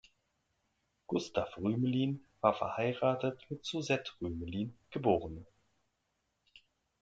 Gustav Rümelin war verheiratet mit Susette Rümelin, geb.